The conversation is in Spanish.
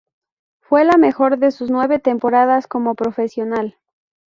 Fue la mejor de sus nueve temporadas como profesional.